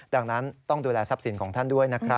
ดังนั้นต้องดูแลทรัพย์สินของท่านด้วยนะครับ